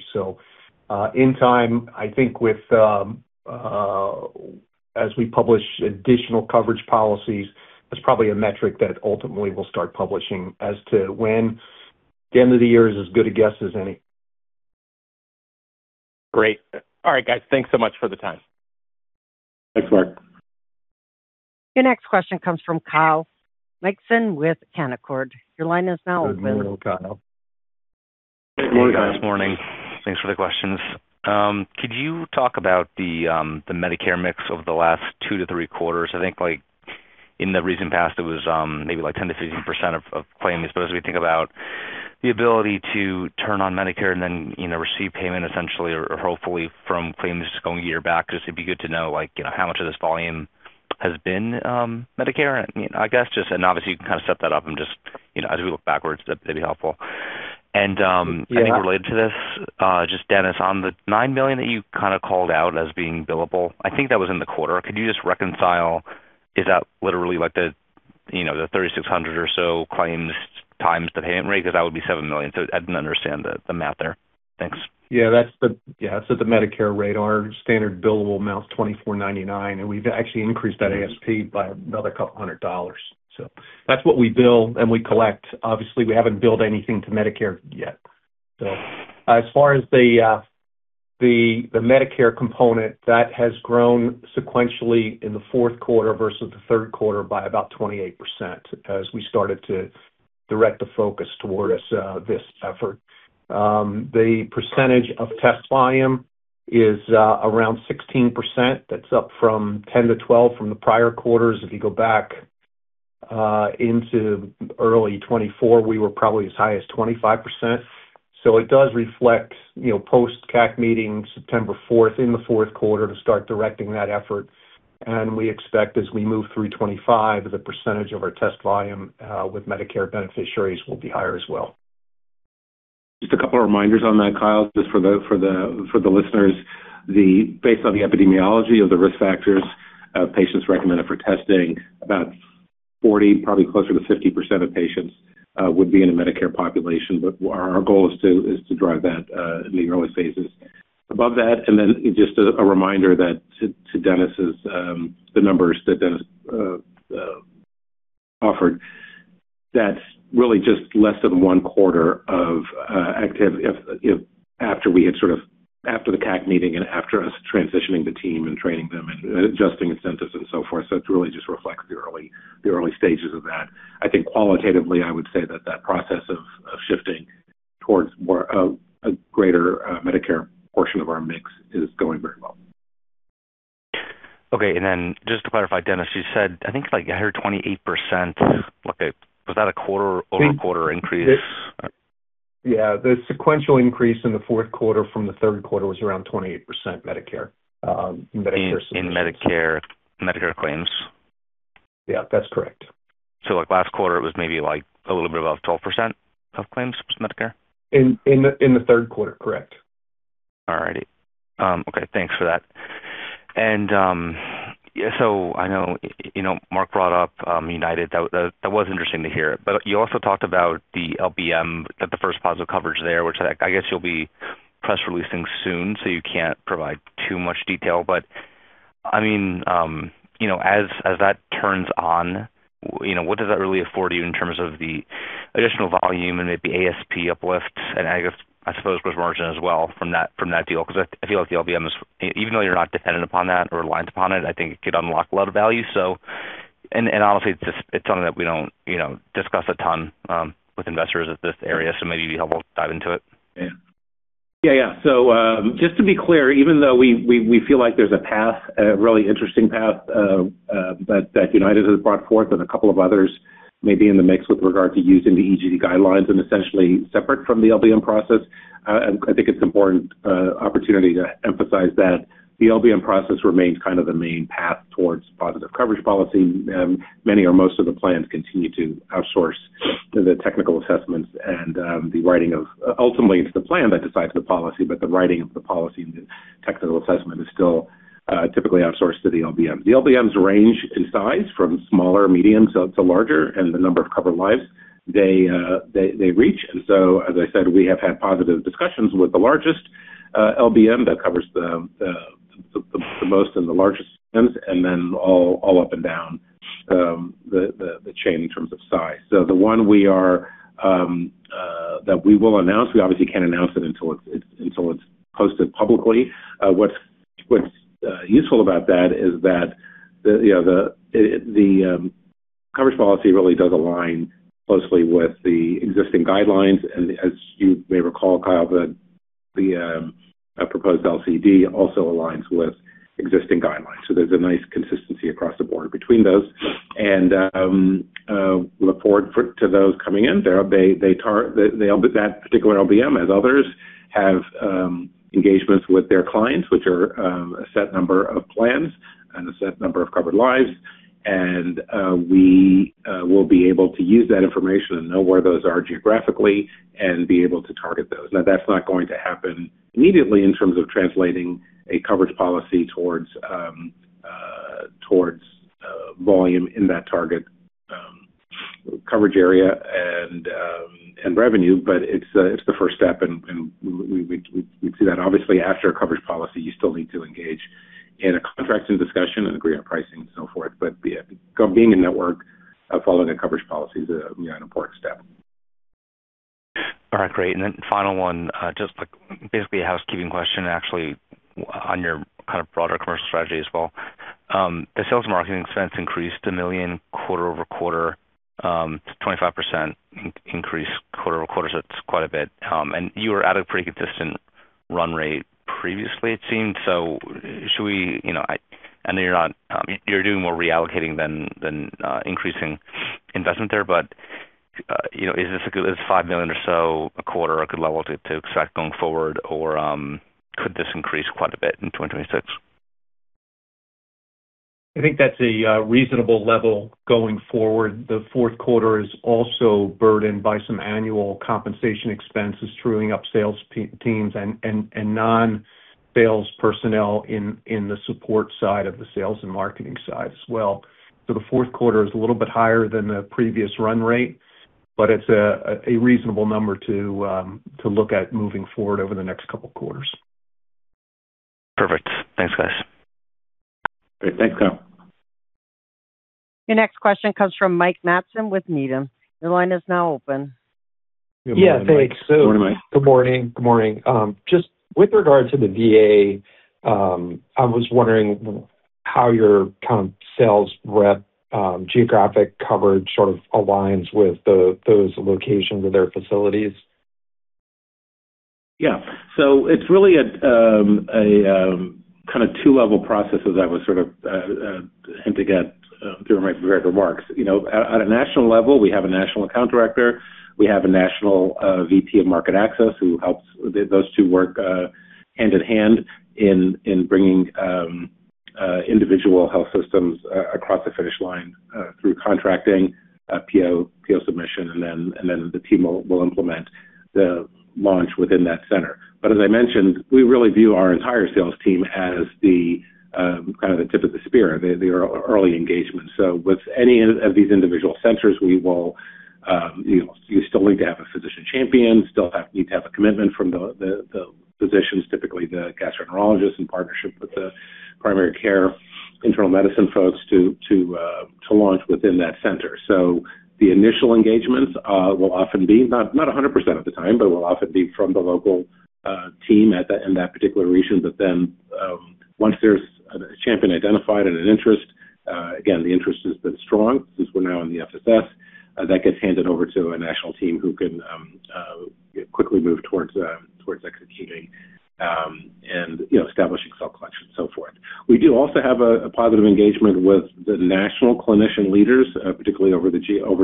In time, I think with as we publish additional coverage policies, that's probably a metric that ultimately we'll start publishing as to when the end of the year is as good a guess as any. Great. All right, guys. Thanks so much for the time. Thanks, Mark. Your next question comes from Kyle Mikson with Canaccord. Your line is now open. Good morning, Kyle. Good morning. Good morning, guys. Thanks for the questions. Could you talk about the Medicare mix over the last two to three quarters? I think, like, in the recent past, it was maybe like 10%-15% of claims. I suppose we think about the ability to turn on Medicare and then, you know, receive payment essentially or hopefully from claims going a year back. Just it'd be good to know, like, you know, how much of this volume has been Medicare. I guess just and obviously you can kind of set that up and just, you know, as we look backwards, that'd be helpful. I think related to this, just Dennis, on the $9 million that you kind of called out as being billable, I think that was in the quarter. Could you just reconcile, is that literally like the, you know, the 3,600 or so claims times the payment rate? Because that would be $7 million. I didn't understand the math there. Thanks. That's at the Medicare rate. Our standard billable amount is $2,499, and we've actually increased that ASP by another couple hundred dollars. That's what we bill and we collect. Obviously, we haven't billed anything to Medicare yet. As far as the Medicare component, that has grown sequentially in the fourth quarter versus the third quarter by about 28% as we started to direct the focus towards this effort. The percentage of test volume is around 16%. That's up from 10%-12% from the prior quarters. If you go back into early 2024, we were probably as high as 25%. It does reflect, you know, post-CAC meeting September 4th in the fourth quarter to start directing that effort. We expect as we move through 2025, the percentage of our test volume with Medicare beneficiaries will be higher as well. Just a couple of reminders on that, Kyle, just for the listeners. Based on the epidemiology of the risk factors of patients recommended for testing, about 40%, probably closer to 50% of patients would be in a Medicare population. But our goal is to drive that in the early phases above that. Just a reminder that to Dennis's the numbers that Dennis offered, that's really just less than one quarter of if after the CAC meeting and after us transitioning the team and training them and adjusting incentives and so forth. It really just reflects the early stages of that. I think qualitatively, I would say that process of shifting towards more of a greater Medicare portion of our mix is going very well. Okay. Just to clarify, Dennis, you said, I think it's like I heard 28%. Okay. Was that a quarter-over-quarter increase? Yeah. The sequential increase in the fourth quarter from the third quarter was around 28% Medicare. In Medicare claims? Yeah, that's correct. Like last quarter, it was maybe like a little bit above 12% of claims was Medicare? In the third quarter, correct. All righty. Okay, thanks for that. I know, you know, Mark brought up UnitedHealthcare. That was interesting to hear. You also talked about the LBM, got the first positive coverage there, which I guess you'll be press releasing soon, so you can't provide too much detail. I mean, you know, as that turns on, you know, what does that really afford you in terms of the additional volume and maybe ASP uplift and I guess, I suppose gross margin as well from that deal? Because I feel like the LBM is, even though you're not dependent upon that or reliant upon it, I think it could unlock a lot of value. Honestly, it's something that we don't, you know, discuss a ton with investors in this area, so maybe it'd be helpful to dive into it. Just to be clear, even though we feel like there's a path, a really interesting path, that UnitedHealthcare has brought forth and a couple of others Maybe in the mix with regard to using the EGD guidelines and essentially separate from the LBM process. I think it's an important opportunity to emphasize that the LBM process remains kind of the main path towards positive coverage policy. Many or most of the plans continue to outsource the technical assessments and the writing of the policy. Ultimately, it's the plan that decides the policy, but the writing of the policy and the technical assessment is still typically outsourced to the LBM. The LBMs range in size from smaller, medium to larger, and the number of covered lives they reach. As I said, we have had positive discussions with the largest LBM that covers the most and the largest claims, and then all up and down the chain in terms of size. That we will announce, we obviously can't announce it until it's posted publicly. What's useful about that is that, you know, the coverage policy really does align closely with the existing guidelines. As you may recall, Kyle, the proposed LCD also aligns with existing guidelines. There's a nice consistency across the board between those. for those coming in, they target that particular LBM, as others have engagements with their clients, which are a set number of plans and a set number of covered lives. We will be able to use that information and know where those are geographically and be able to target those. Now, that's not going to happen immediately in terms of translating a coverage policy towards volume in that target coverage area and revenue, but it's the first step. We'd see that obviously after a coverage policy. You still need to engage in a contracting discussion and agree on pricing and so forth. Being a network following a coverage policy is an important step. All right, great. Final one, just like basically a housekeeping question, actually on your kind of broader commercial strategy as well. The sales and marketing expense increased $1 million quarter-over-quarter, 25% increased quarter-over-quarter, so it's quite a bit. You were at a pretty consistent run rate previously, it seemed. Should we, you know, I know you're not, you're doing more reallocating than increasing investment there, but, you know, is $5 million or so a quarter a good level to expect going forward, or could this increase quite a bit in 2026? I think that's a reasonable level going forward. The fourth quarter is also burdened by some annual compensation expenses, truing up sales teams and non-sales personnel in the support side of the sales and marketing side as well. The fourth quarter is a little bit higher than the previous run rate, but it's a reasonable number to look at moving forward over the next couple quarters. Perfect. Thanks, guys. Great. Thanks, Kyle. Your next question comes from Mike Matson with Needham. Your line is now open. Yeah, thanks. Good morning, Mike. Good morning. Good morning. Just with regard to the VA, I was wondering how your kind of sales rep geographic coverage sort of aligns with those locations or their facilities. It's really a kinda two-level process, as I would sort of hint at during my prepared remarks. You know, at a national level, we have a National Account Director, we have a National VP of Market Access who helps those two work hand-in-hand in bringing individual health systems across the finish line through contracting, PO submission, and then the team will implement the launch within that center. As I mentioned, we really view our entire sales team as kind of the tip of the spear, the early engagement. With any of these individual centers, we will you still need to have a physician champion, still need to have a commitment from the physicians, typically the gastroenterologist in partnership with the primary care internal medicine folks to launch within that center. The initial engagements will often be, not 100% of the time, but will often be from the local team at that in that particular region. Once there's a champion identified and an interest, again, the interest has been strong since we're now in the FSS, that gets handed over to a national team who can quickly move towards executing and establishing cell collection and so forth. We do also have a positive engagement with the national clinician leaders, particularly over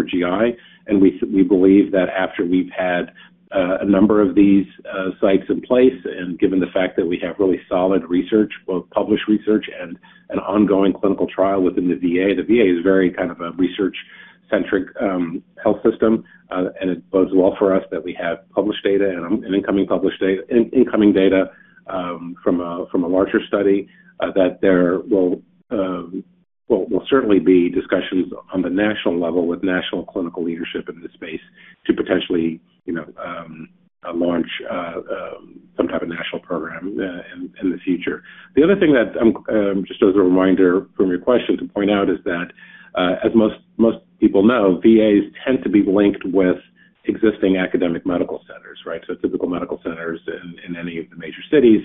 GI. We believe that after we've had a number of these sites in place and given the fact that we have really solid research, both published research and an ongoing clinical trial within the VA. The VA is very kind of a research-centric health system. It bodes well for us that we have published data and incoming data from a larger study that there will certainly be discussions on the national level with national clinical leadership in this space to potentially, you know, launch some type of national program in the future. The other thing that I'm just as a reminder from your question to point out is that as most people know, VAs tend to be linked with existing academic medical centers, right? Typical medical centers in any of the major cities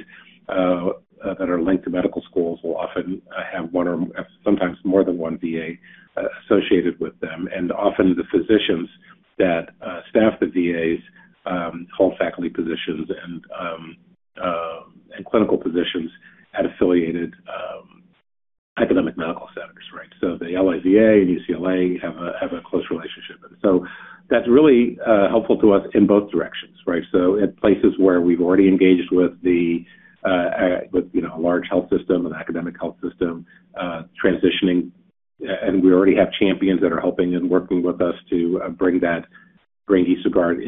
that are linked to medical schools will often have one or sometimes more than one VA associated with them. Often the physicians that staff the VAs hold faculty positions and clinical positions at affiliated academic medical centers, right? The L.A. VA and UCLA have a close relationship. That's really helpful to us in both directions, right? In places where we've already engaged with you know a large health system, an academic health system, transitioning, and we already have champions that are helping and working with us to bring EsoGuard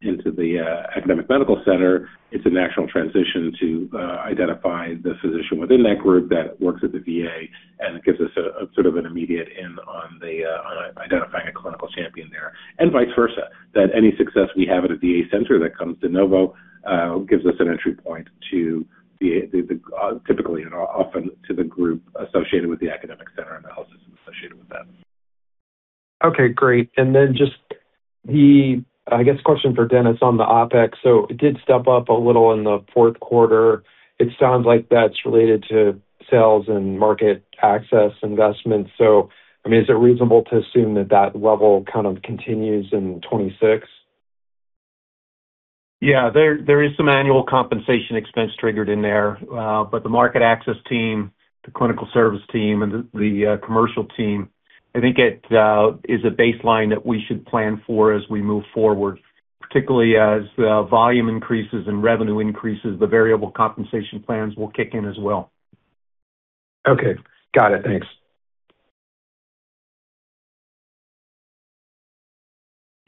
into the academic medical center. It's a natural transition to identify the physician within that group that works at the VA, and it gives us a sort of an immediate in on identifying a clinical champion there. Vice versa, that any success we have at a VA center that comes de novo gives us an entry point to the typically and often to the group associated with the academic center and the health system associated with that. Okay, great. Just the, I guess, question for Dennis on the OpEx. It did step up a little in the fourth quarter. It sounds like that's related to sales and market access investments. I mean, is it reasonable to assume that that level kind of continues in 2026? There is some annual compensation expense triggered in there. But the market access team, the clinical service team, and the commercial team, I think it is a baseline that we should plan for as we move forward, particularly as the volume increases and revenue increases, the variable compensation plans will kick in as well. Okay. Got it. Thanks.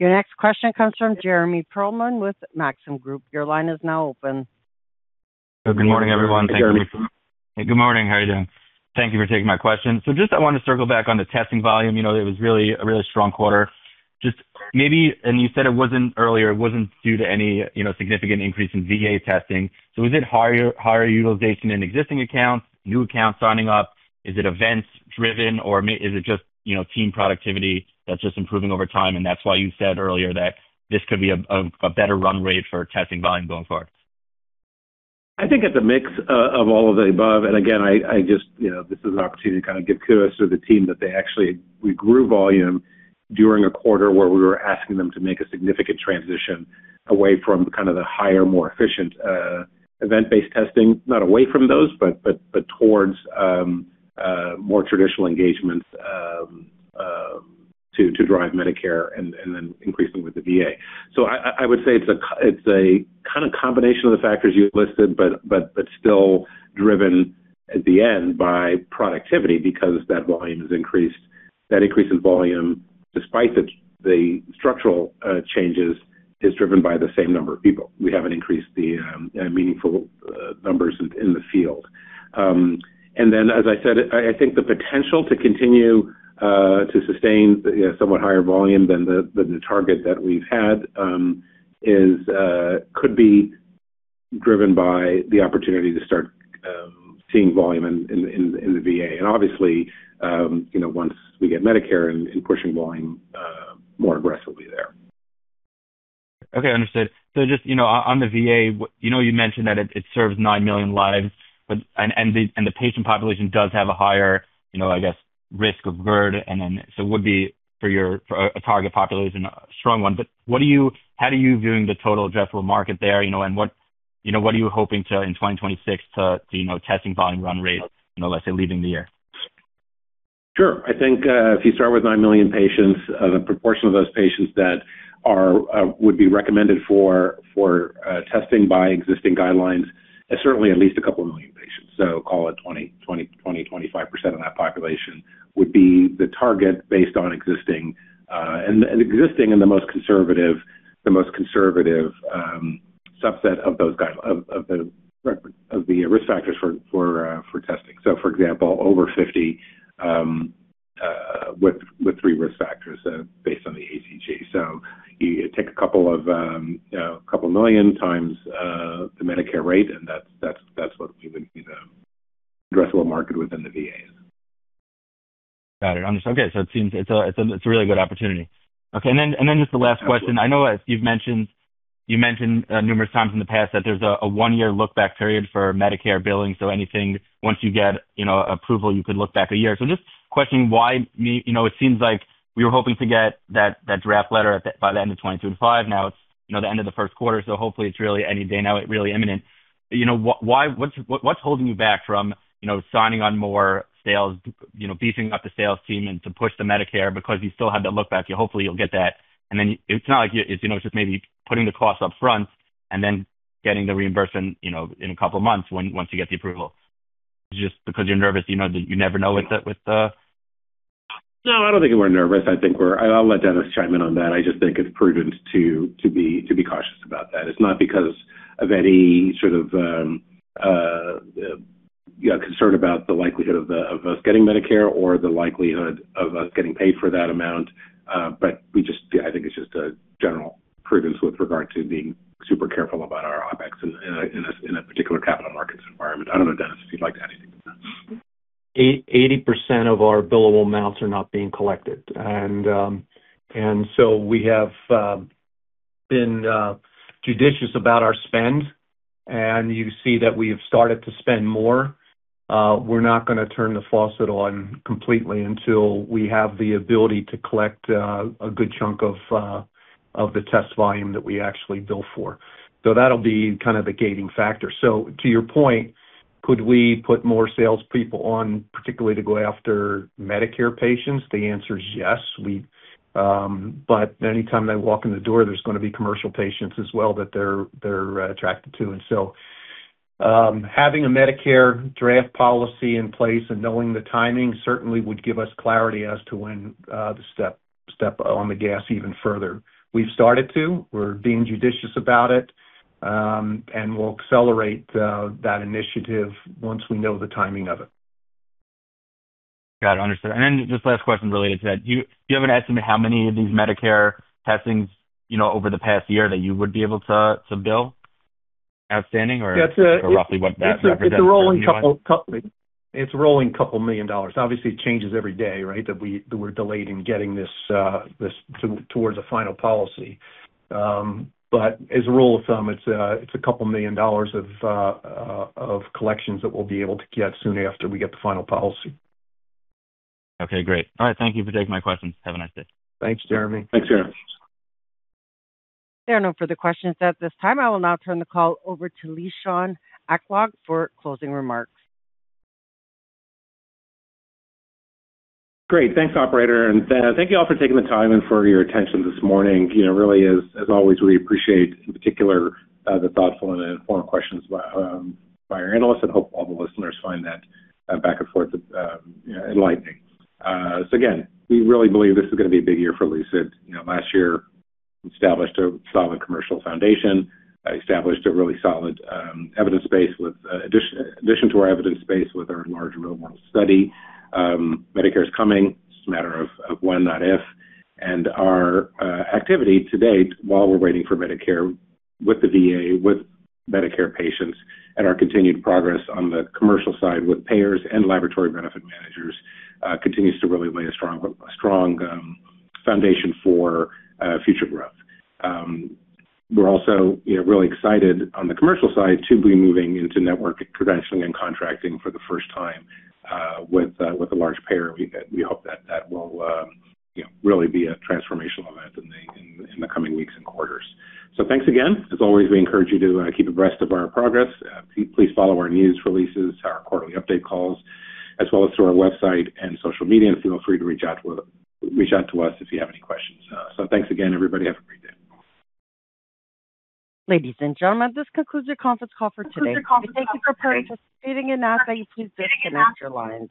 Your next question comes from Jeremy Pearlman with Maxim Group. Your line is now open. Good morning, everyone. Good morning, Jeremy Good morning. How are you doing? Thank you for taking my question. Just, I want to circle back on the testing volume. You know, it was really strong quarter. Just maybe, you said it wasn't earlier, it wasn't due to any, you know, significant increase in VA testing. Is it higher utilization in existing accounts, new accounts signing up? Is it events driven, or is it just, you know, team productivity that's just improving over time, and that's why you said earlier that this could be a better run rate for testing volume going forward? I think it's a mix of all of the above. Again, I just, you know, this is an opportunity to kind of give kudos to the team that they actually...We grew volume during a quarter where we were asking them to make a significant transition away from kind of the higher, more efficient, event-based testing. Not away from those, but towards more traditional engagements, to drive Medicare and then increasingly with the VA. I would say it's a kind of combination of the factors you listed, but still driven at the end by productivity because that volume has increased. That increase in volume, despite the structural changes, is driven by the same number of people. We haven't increased the meaningful numbers in the field. As I said, I think the potential to continue to sustain, you know, somewhat higher volume than the target that we've had could be driven by the opportunity to start seeing volume in the VA. Obviously, you know, once we get Medicare and pushing volume more aggressively there. Okay. Understood. Just, you know, on the VA, you know, you mentioned that it serves 9 million lives, but the patient population does have a higher, you know, I guess, risk of GERD, and so would be for a target population, a strong one. But how are you viewing the total addressable market there, you know, and what, you know, what are you hoping to in 2026 to, you know, testing volume run rate, let's say, leaving the year? Sure. I think if you start with 9 million patients, the proportion of those patients that would be recommended for testing by existing guidelines is certainly at least a couple million patients. Call it 20%-25% of that population would be the target based on existing and the most conservative subset of those of the risk factors for testing. For example, over 50 with three risk factors based on the ACG. You take a couple million times the Medicare rate, and that's what we would be the addressable market within the VA. Got it. Understood. Okay. It seems it's a really good opportunity. Okay. Just the last question. Absolutely. I know, as you've mentioned, numerous times in the past that there's a one-year look-back period for Medicare billing, so anything, once you get, you know, approval, you could look back a year. I'm just questioning why you know, it seems like we were hoping to get that draft letter by the end of 2025. Now it's, you know, the end of the first quarter, so hopefully it's really any day now, it's really imminent. You know, what's holding you back from, you know, signing on more sales, you know, beefing up the sales team and to push the Medicare because you still have that look back. Hopefully, you'll get that. Then it's not like you... It's, you know, it's just maybe putting the cost up front and then getting the reimbursement, you know, in a couple of months once you get the approval. Just because you're nervous, you know, that you never know with the. No, I don't think we're nervous. I'll let Dennis chime in on that. I just think it's prudent to be cautious about that. It's not because of any sort of concern about the likelihood of us getting Medicare or the likelihood of us getting paid for that amount, but we just I think it's just a general prudence with regard to being super careful about our OpEx in a particular capital markets environment. I don't know, Dennis, if you'd like to add anything to that. 80% of our billable amounts are not being collected. We have been judicious about our spend, and you see that we have started to spend more. We're not gonna turn the faucet on completely until we have the ability to collect a good chunk of the test volume that we actually bill for. That'll be kind of the gating factor. To your point, could we put more salespeople on, particularly to go after Medicare patients? The answer is yes. Anytime they walk in the door, there's gonna be commercial patients as well that they're attracted to. Having a Medicare draft policy in place and knowing the timing certainly would give us clarity as to when to step on the gas even further. We've started to. We're being judicious about it. We'll accelerate that initiative once we know the timing of it. Got it. Understood. Just last question related to that. Do you have an estimate how many of these Medicare testings, you know, over the past year that you would be able to bill outstanding or- That's a- ...or roughly what that number does? It's rolling a couple million dollars. Obviously, it changes every day, right? That we're delayed in getting this towards a final policy. As a rule of thumb, it's a couple million dollars of collections that we'll be able to get soon after we get the final policy. Okay, great. All right. Thank you for taking my questions. Have a nice day. Thanks, Jeremy. Thanks, Jeremy. There are no further questions at this time. I will now turn the call over to Lishan Aklog for closing remarks. Great. Thanks, operator. Thank you all for taking the time and for your attention this morning. You know, really, as always, we appreciate, in particular, the thoughtful and informed questions by our analysts and hope all the listeners find that back and forth enlightening. Again, we really believe this is gonna be a big year for Lucid. You know, last year, we established a solid commercial foundation, established a really solid evidence base with addition to our evidence base with our large real-world study. Medicare is coming. It's a matter of when, not if. Our activity to date while we're waiting for Medicare with the VA, with Medicare patients and our continued progress on the Commercial side with payers and laboratory benefit managers continues to really lay a strong foundation for future growth. We're also, you know, really excited on the Commercial side to be moving into network credentialing and contracting for the first time with a large payer. We hope that will, you know, really be a transformational event in the coming weeks and quarters. Thanks again. As always, we encourage you to keep abreast of our progress. Please follow our news releases, our quarterly update calls, as well as through our website and social media. Feel free to reach out to us if you have any questions. Thanks again, everybody. Have a great day. Ladies and gentlemen, this concludes your conference call for today. Thank you for participating and ask that you please disconnect your lines.